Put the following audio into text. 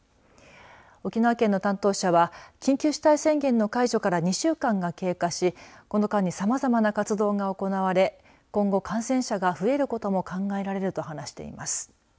沖縄県の担当者は緊急事態宣言の解除から２週間が経過しこの間にさまざまな活動が行われ今後、感染者が増えることも考えられると話しています。